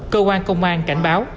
cơ quan công an cảnh báo